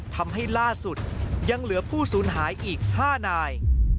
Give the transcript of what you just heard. ทำให้ล่าสุดยังเหลือผู้สูญหายอีก๕นาย